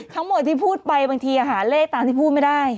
ทั้งหมดที่พูดไปบางทีหาเลขตามที่พูดไม่ได้